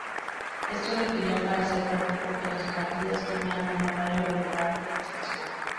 Esto requería, para ser práctico, que las partidas tuvieran un horario regular de recepción.